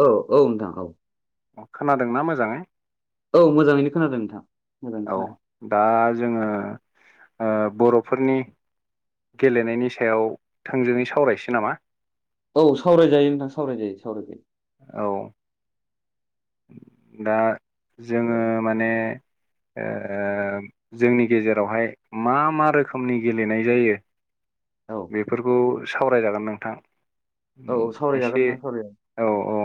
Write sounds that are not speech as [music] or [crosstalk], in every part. औ औ औ नोंथां औ अ खोनादोंना मोजाङै औ मोजाङैनो खोनादों नोंथां। मोजाङैनो औ खोनादों दा जोङो ओ बर'फोरनि गेलेनायनि सायाव थोंजोङै सावरायसै नामा? औ सावरायजायो नोंथां सावरायजायो सावरायजायो औ दा जोङो माने ओ जोंनि गेजेरावहाय मा मा रोखोमनि गेलेनाय जायो? औ बेफोरखौ सावरायजागोन नोंथां औ औ ओम सावरायजागोन एसे नोंथां सावरायजागोन औ औ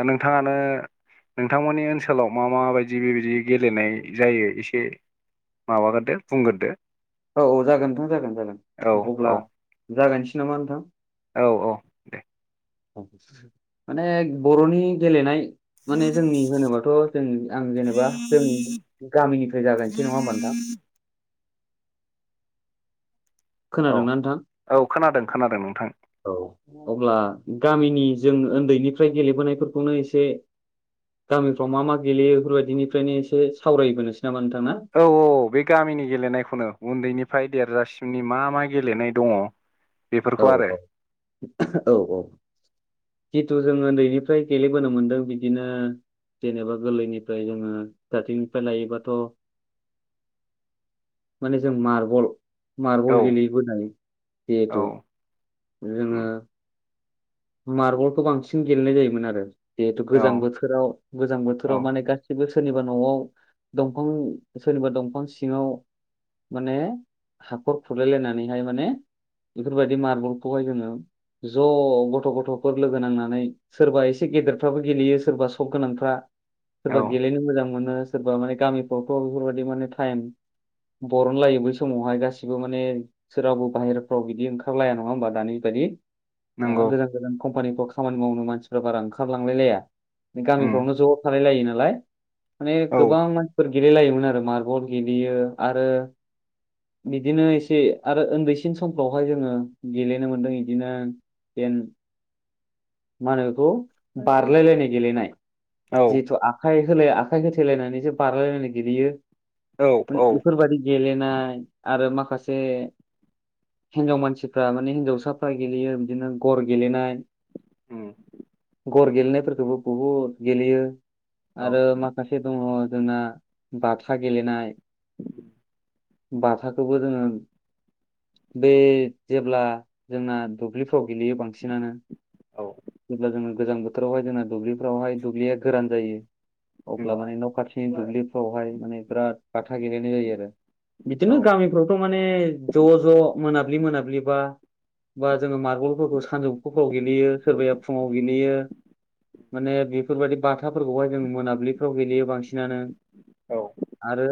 दा नोंथाङानो नोंथांमोननि ओनसोलाव मा माबायदि बेबायदि गेलेनाय जायो एसे माबागोरदो बुंगोरदो औ औ जागोन नोंथां जागोन औ जागोन औ अब्ला जागायनोसै नामा नोंथां? औ औ दे माने बर'नि गेलेनाय माने जोंनि होनोबाथ' जों आं जेनेबा जोंनि गामिनिफ्राय जागायसै नङा होमबा नोंथां [unintelligible] खोनादोंना नोंथां औ खोनादों खोनादों नोंथां औ अब्ला गामिनि जों उन्दैनिफ्राय गेलेबोनायफोरखौनो एसे गामिफ्राव मा मा गेलेयो बेफोरबायदिनिफ्रायनो एसे सावरायबोनोसै नामा नोंथां? ना औ औ औ बे गामिनि गेलेनायखौनो उन्दैनिफ्राय देरजासिमनि मा मा गेलेनाय दङ औ बेफोरखौ आरो औ औ औ जिथु जों ओन्दैनिफ्राय गेलेबोनो मोनदों बिदिनो जेनेबा गोरलैनिफ्राय जोङो दारथिंनिफ्राय लायोबाथ' [unintelligible] माने जों मार्बल औ मार्बल गेलेबोनाय औ जिहेथु उम जोङो मार्बलखौ बांसिन गेलेनाय जायोमोन आरो जिहेथु औ गोजां बोथोराव गोजां औ बोथोराव माने गासिबो सोरनिबा न'आव दंफां सोरनिबा दंफां सिङाव माने हाखर थुलायलायनानैहाय माने बेफोरबायदि मार्बलखौहाय जोङो ज' ग थ' गथ'फोर लोगो नांनानै सोरबा एसे गेदेरफ्राबो गेलेयो सोरबा सब गोनांफ्रा औ सोरबा गेलेनो मोजां मोनो सोरबा माने गामिफ्रावथ' बेफोरबायदि माने टाइम बरन लायो बै समावहाय गासिबो माने सोरहावाबो बाहेरफ्राव बिदि ओंखारलाया नङा होमबा दानि बाय दि ओ नंगौ गो खामानिफ्राव खामानि मावनो मानसिफ्रा बारा ओंखारलांलाय लाया बे उम गामिफ्रावनो ज' थालाय लायो नालाय माने औ गोबां मानसिफोर गेलेलायोमोन आरो मारबल गेलेयो आरो बिदिनो एसे आरो उन्दैसिन समफ्रावहाय जोङो गेलेनो मोनदों बिदिनो एन मा होनो बेखौ बारलायलायनाय गेलेनाय औ जिथु आखाइ लायो आखाइ होथैेलायनानैसो बारलायायनाय गेलेयो औ माने औ बेफोरबायदि गेले नाय आरो माखासे हिनजाव मानसिफ्रा माने हिनजावसाफ्रा गेलेयो बिदिनो गर गेलेनाय उ गर गेलेनायफोरखौबो बहुद गेलेयो औ आरो माखासे दङ जोंना बाथा गेलेनाय बाथाखौबो दोङ बे जेब्ला जोंना दुब्लिफ्राव गेलेयो बांसिनानो औ जेब्ला जोङो गोजां बोथोरावहाय जोंना दुब्लिफोरावहाय दुब्लिया गोरान जायो उम अब्ला माने न' खाथिनि दुब्लिफ्रावहाय माने बिराद बाथा गेलेनाय जायो आरो बिदिनो औ गामिफ्रावथ' माने ज' ज' मोनाबिलि मोनाबिलिबा बा जोङो मार्बलफोरखौ सानजौफुफोराव गेलेयो सोरबाया फुङाव गेलेयो माने बेफोरबायदि बाथाफोरखौहाय जों मोनाबिलिफ्राव गेलेयो बांसिनानो औ आरो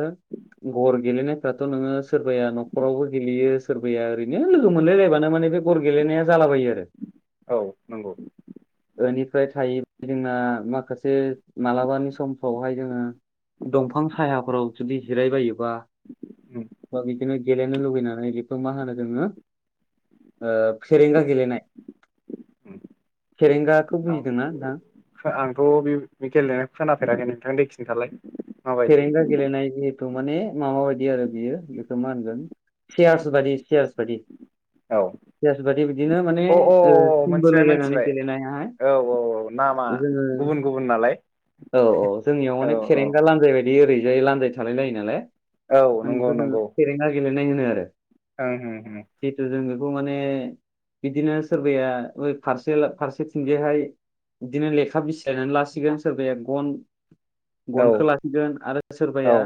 गर गेलेनाय फोराथ' नोङो सोरबाया न'खरावबो गेलेयो सोरबाया ओरैनो लोगो मोनलायलायबानो माने बे गर गेलेनाय जालांङो बायो आरो औ नंगौ बेनिफ्राय थायो जोंना माखासे मालाबानि समफ्रावहाय जोङो दंफां सायाफोराव जुदि जिरायबायोबा उम बा बिदिनो गेलेनो लुुगैनानै बेखौ मा होनो जोङो फेरेंगा गेलेनाय उम फेरेंगाखौ बुजिदोंना नोंथां? आंथ' आंथ' बे गेलेनाय खोनाफेराखै नोंथां दे खिनथालाय फेरेंगा गेलेनाय जि बेखौ माने माबा बायदि आरो बियो बेखौ मा होनगोन सियार्स बायदि सियार्स बायदि औ अ अ ओ टिम मिथिबाय बोलायलायनानै मोनथिबाय गेलेनायाहाय औ औ औ नामा जोङो गुबुन गुबुन नाम नालाय औ औ जोंनियाव औ माने औ फेरेंगा लान्जाय बायदि ओरैजाय लान्जाय थालायलायो नालाय औ माने नंगौ बेखौ जों नंगौ फेरेंगा गेलेनाय होनो आरो ओं ओं खौ माने बिदिनो सोरबाया बै फारसे फारसेथिंजायहाय बिदिनो लेखा बिसिलायनानै लासिगोन सोरबाया गन औ गनखौ आरो औ सोरबाया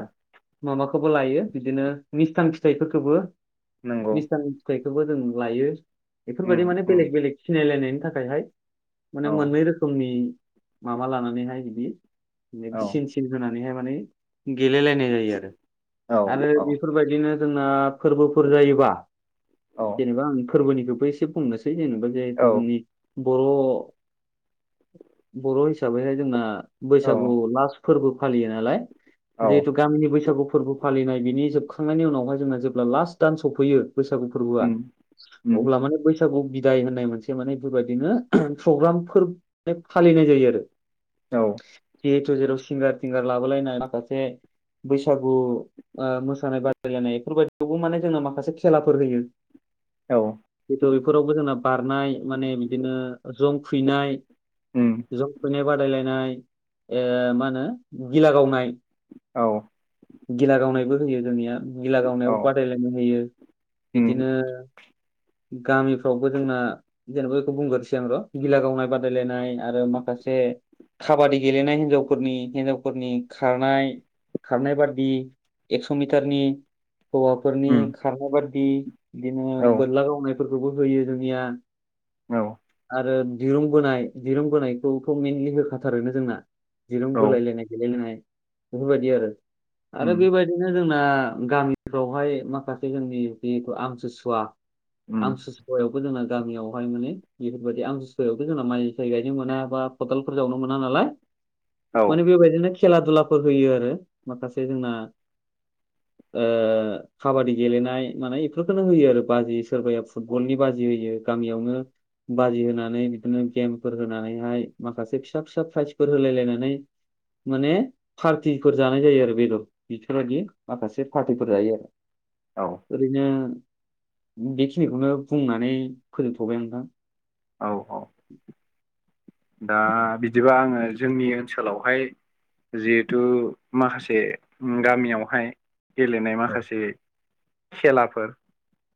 माबाखौबो लायो बिदिनो मिस्थां फिथाइफोरखौबो नंगौ मिस्थां फिथाइखौबो जों लायो उम बेफोरबायदि माने उम बेलेग बेलेग सिनायलायनायनि थाखायहाय माने औ मोननै रोखोमनि माबा लानानैहाय बिदि औ सिन होनानैहाय माने गेलेलायनाय जायो औ आरो आरो औ बेफोरबायदिनो जोंना फोरबोफोर जायोबा औ जेनेबा आं फोरबोनिखौबो एसे बुंनोसै जेनेबा जिहेतु जोंनि औ बर' [inaudible] बर' हिसाबैहाय जोंना बैसागु औ लास फोरबो फालियो नालाय औ जिहेथु गामिनि बैसागु फोरबो फालिनाय बिनि जोबखांनायनि उनावहाय जोंना जेब्ला लास्ट दान सफैयो बैसागु फोरबोआ उम उम अब्ला माने बैसागु बिदाय होननाय मोनसे माने बेफोरबायदिनो प्रग्रामफोर फालिनाय नाय जायो आरो औ जिहेथु जेराव सिंगार थिंगार लाबोलायनाय माखासे बैसागु मोसानाय बादायलायनाय बेफोरबायदिखौबो माने जोंङो माखासे खेलाफोर होयो [inaudible] हयथ' बेफोरावबो जोंना बारनाय माने बिदिनो जं खुबैनाय उम जं खुबैनाय बादायलायनाय मा होनो गिला गावनाय औ गिला गावनायबो होयो जोंनिया गिला औ गावनायावबो बादायलायनाय होयो उम बिदिनो गामिफ्रावबो जोंना जेनेबा बेखौ बुंग्रोसै आं र' गिला गावनाय बादायलायनाय आरो माखासे खाबादि गेलेनाय हिन्जावफोरनि हिन्जावफोरनि खारनाय खारनाय बादि एक्स' मिटारनि हौवाफोरनि उम खारनाय बादि बिदिनो औ बोरलागावनाय फोरखौबो होयो जोंनिया औ आरो दिरुंबोनाय दिरुंबोनायखौथ' मेनलि होखाथारोनो जोंना दिरुं बोलायलायनाय गेलेलायनाय बेफोरबायदि आरो आरो उम बेबायदिनो जोंना गामिफ्रावहाय माखासे जोंनि जि आमतिसुवा उम आमथिसुवायावबो जोंना गामियावहाय माने बेफोरबायदि आमथिसुवायावबो जोंना माइ साइ गायनो मोनाबा खदालफोर जावनो मोना नालाय औ माने बेबायदिनो खेला दुलाफोर होयो आरो माखासे जोंना काबादि गेलेनाय माने बेफोरखौनो होयो आरो बाजि सोरबाया फुटबलनि बाजि होयो गामियावनो बाजि होनानै बिदिनो गेमफोर होनानैहाय माखासे फिसा फिसा प्राइजफोर होलाय लायनानै माने पार्टिफोर जानाय जायो आरो बेदर बिफोरबायदि माखासे पार्टिफोर जायो आरो औ ओरैनो बेखिनिखौनो बुंनानै फोजोंबथ'बाय आं नोंथां औ दा बिदिबा आङो जोंनि ओनसोलावहाय जिहेथु माखासे गामियावहाय गेलेनाय औ माखासे खेलाफोर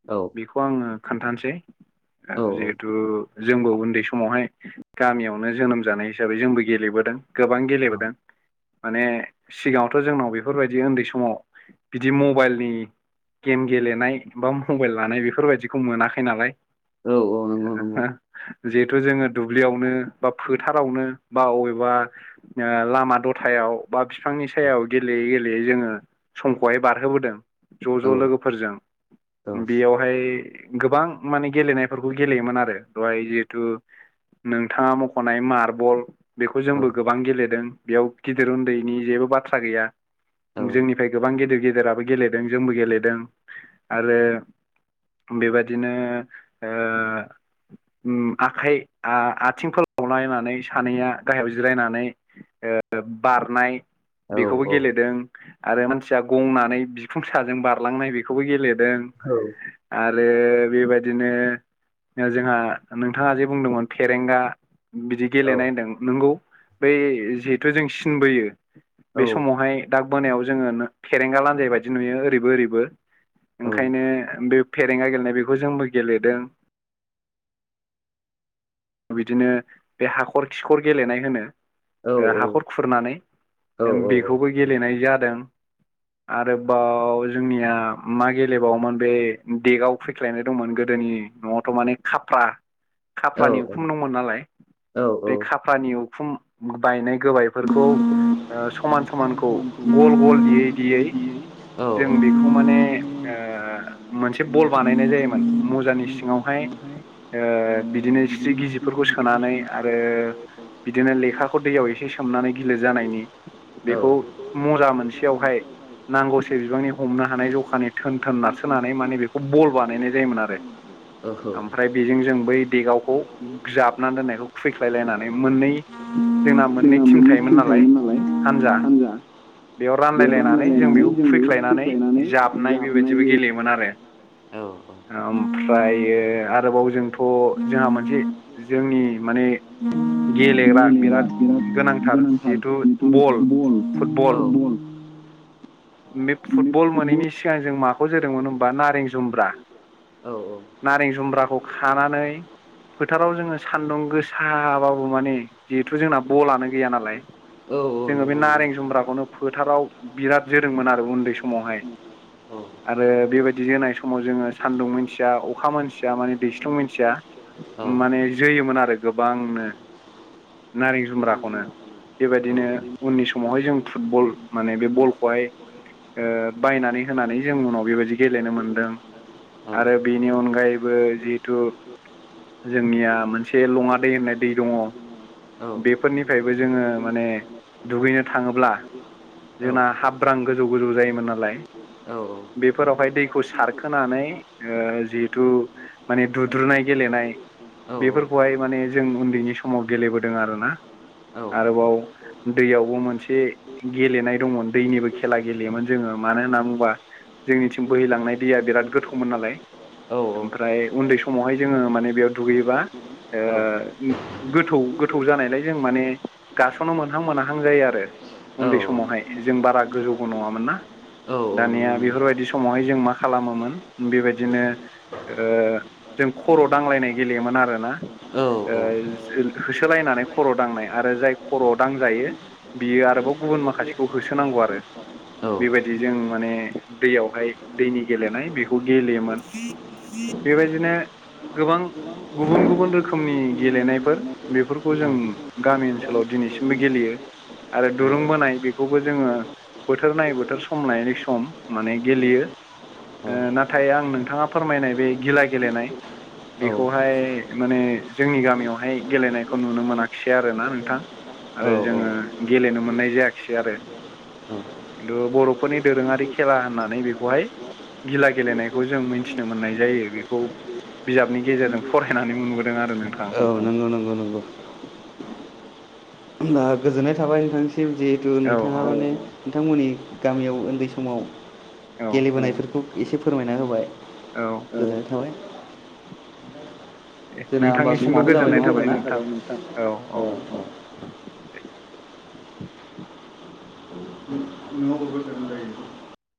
औ औ बेखौ आङो खोन्थानोसै औ औ जिहेथु जोंबो उन्दै समावहाय गामियावनो जोनोम जानाय हिसाबै जोंबो गेलेबोदों गोबां गेलेबोदों माने सिगाङावथ' जोंनाव बेफोरबायदि उन्दै समाव बिदि मबाइलनि गेम गेलेनाय बा मबाइल लानाय बेफोरबायदिखौ मोनाखै नालाय औ औ नंगौ नंगौ जिहेथु जोङो दुब्लियाव फोथारवनो बा बबेबा लामा दथायाव बा फि बिफांनि सायायाव गेलेयै गेलेयै जोङो समखौहाय बारहोबोदों ज' औ ज' लोगोफोरजों औ बेयावहाय गोबां माने गेलेनायफोरखौ गेलेयोमोन आरो दहाय जिहेथु नोंथाङा मख'नाय मार्बल बेखौ औ जोंबो गोबां गेलेदों बेयाव गिदिर उन्दैनि जेबो बाथ्रा गैया औ जोंनिफ्राय गोबां गेदिर गेदेराबो गेलेदों जोंबो गेलेदों आरो बेबादिनो आखाइ आ-आथिं फोलावलनानै सानैया गाहायाव जिरायनानै ओ बारनाय औ बेखौबो गेलेदों आरो मानसिया गंनानै बिखुंसाजों बारलांनाय बेखौबो गेलेदों दों आरो बेबायदिनो ओ जोंहा नोंथाङा जे बुंदोंमोन फेरेंगा बिदि गेलेनाय होनदों नंगौ बै जिहेथु जों सिनबोयो बे समावहाय दा बोनायाव जोङो फेरेंगा लान्जाय बायदि नुयो ओरैबो ओरैबो ओंखायनो बे फेरेंगा गेलेनाय बेखौ जोंबो गेलेदों बिदिनो बे हाखर खिखर गेलेनाय होनो ओ हाखर खुरनानै बेखौबो गेलेनाय जादों आरोबाव जोंनिया मा गेलेबावोमोन बे देगआव फैख्लायनाय दंमोन गोदोनि न'आथ' माने खाफ्रा खाफ्रानि उखुम दंमोन नालाय बे खाफ्रानि उखुम बायनाय गोबायफोरखौ ओ समान समानखौ गल गल देयै दिेयै जों बेखौ माने ओ मोनसे बल बानायनाय जायोमोन मुजानि सिङावहाय ओ बिदिनो जि गिजिफोरखौ सोनानै आरो बिदिनो लेखाखौ दैयाव एसे सोमनानै गिलिर जानायनि औ बेखौ मजा मोनसेयावहाय नांगौसे बिबांनि हमनो हानाय जखानि थोन थोन नारसोनानै माने बेखौ बल बानायनाय जायोमोन आरो औ ओमफ्राय बेजों जों बै देगावखौ जाबनानै दोननायखौ खुैबैख्लायलायनानै मोननै जोंना मोननै टिम थायोमोन नालाय हानजा बेयाव रानलायलायनानै जों बेखौ खुबैख्लायनानै जाबनाय बेबायदिबो गेलेयोमोन आरो औ औ ओमफ्रायो आरोबाव जोंथ' जोंहा मोनसे जोंनि माने गेलेग्रा बिराद गोनांथार जिहेथु बल फुटबल औ बल बे फुटबल मोनैनि सिगां जों माखौ जोदोंमोन होमबा नारें जुम्ब्रा औ नारें जुम्ब्राखौ खानानै फोथाराव जोङो सान्दुं गोसाबाबो माने जिहेथु जोंना बलानो गैया नालाय औ औ जोङो बे नंगौ नंगौ नारें जुम्ब्राखौनो फोथाराव बिराद जोदोंमोन आरो उन्दै समावहाय औ आरो बेबायदि जोनाय समाव जोङो सान्दुं मोनथिया अखा मोनथिया माने दैस्लुं मिथिया औ माने जोयोमोन आरो गोबांनो नारें जुमब्राखौनो औ बेबायदिनो उननि समावहाय जों फुटबल माने बे बलखौहाय ओ बायनानै होनानै जों उनाव बेबायदि गेलेनो मोनदों औ आरो बेनि अनगायैबो जिहेथु जोंनिया मोनसे लङा दै होननाय दै दङ बेफोरनिफ्रायबो जोङो माने दुगैनो थाङोब्ला जोंना हाब्रां गोजौ गोजौ जायोमोन नालाय बेफोरावहाय दैखौ सारखोनानै ओ जिहेथु माने दुद्रुनाय गेलेनाय बेफोरखौहाय औ माने जों उन्दैनि समाव औ गेलेबोदों आरोना [unintelligible] आरोबाव दैयावबो मोनसे गेलेनाय दंमोन दैनिबो खेला गेलेयोमोन जोङो मानो होनना बुंबा जोंनिथिं बोहैलांनाय दैया बिराद गोथौमोन नालाय ओमफ्राय उन्दै समावहाय जोङो माने बेयाव दुगैयोबा ओ [inaudible] गोथौ गोथौ जानायलाय जों माने औ गास'नो मोनहां मोनहां जायो आरो [unintelligible] उन्दै औ औ समावहाय जों बारा गोजौबो नङामोन ना दानिया नंगौ बेफोरबायदि बे समावहाय जों मा खालामोमोन बेबायनो ओ जों खर' दांलायनाय गेलेयोमोन आरो ना औ औ होसोलायनानै खर' दांनाय आरो जाय खर'आव दांजायो बियो आरोबाव गुबुन माखासेखौ होसोनांगौ आरो औ बेबायदि जों माने दैयावहाय दैनि गेलेनाय बेखौ गेलेयोमोन बेबायदिनो गोबां गुबुन गुबुन रोखोमनि गेलेनायफोर बेफोरखौ जों गामि ओनसोलाव दिनैसिमबो गेलेयो आरो दुरुं बोनाय बेखौबो जोङो बोथोर नायै बोथोर सम नायनाय सम माने गेलेयो ओ नाथाय आं नोंथाङा फोरमायनाय बे गिला गेलेनाय बेखौहाय माने जोंनि गामियावहाय गेलेनायखौ नुनो मोनाखिसै आरोना नोंथां आरो जोङो गेलेनो मोननाय जायाखिसै आरो औ खिन्थु बर'फोरनि दोरोङारि खेला होननानै बेखौहाय गिला गेलेनायखौ जों मिथिनो मोननाय जायो बेखौ बिजाबनि गेजेरजों फरायनानै मोनबोदों आरो नोंथां औ नंगौ नंगौ नंगौ दा गोजोननाय थाबाय नोंथांसिम जिहेथु औ नोंथाङा माने नोंथांमोननि गामियाव उन्दै समाव औ गेलेबोनायफोरखौ एसे फोरमायना होबाय औ गोजोननाय थाबाय जोंना होमबा नोंथांनिसिमबो समाबो जाबाय गोजोननाय नङा होमबा थाबाय नोंथां ना औ औ दे [unintelligible] [unintelligible]